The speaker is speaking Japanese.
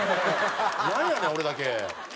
なんやねん俺だけ。